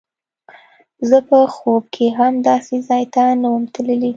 زه په خوب کښې هم داسې ځاى ته نه وم تللى.